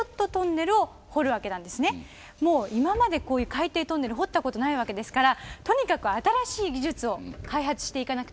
もう今までこういう海底トンネル掘ったことないわけですからとにかく新しい技術を開発していかなくてはいけない。